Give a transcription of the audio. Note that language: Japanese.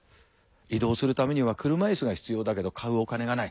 移動するためには車いすが必要だけど買うお金がない。